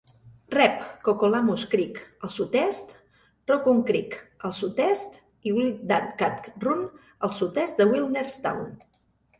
Rep Cocolamus Creek al sud-est, Raccoon Creek al sud-est i Wildcat Run al sud-est de Millerstown.